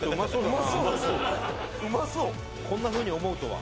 こんなふうに思うとは。